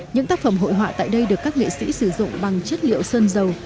những tác phẩm hội họa tại đây được các nghệ sĩ sử dụng bằng chất liệu sơn dầu